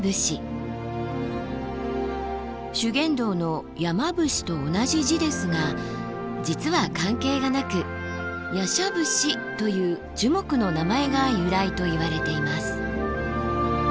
修験道の山伏と同じ字ですが実は関係がなくヤシャブシという樹木の名前が由来といわれています。